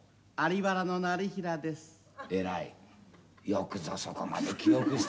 よくぞそこまで記憶したな。